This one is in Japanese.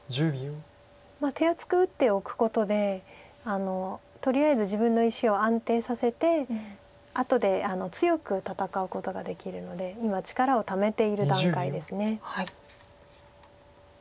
手厚く打っておくことでとりあえず自分の石を安定させて後で強く戦うことができるので今力をためている段階です。